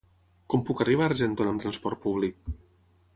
Com puc arribar a Argentona amb trasport públic?